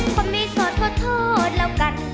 คนไม่สดขอโทษแล้วกัน